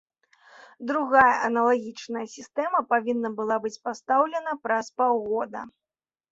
Другая аналагічная сістэма павінна была быць пастаўлена праз паўгода.